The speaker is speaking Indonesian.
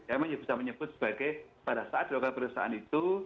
kami bisa menyebut sebagai pada saat dokter perusahaan itu